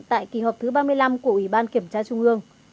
tại kỳ họp thứ ba mươi năm của ủy ban kiểm tra trung ương